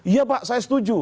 iya pak saya setuju